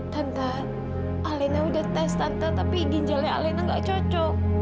tante alena udah tes tante tapi ginjalnya alena gak cocok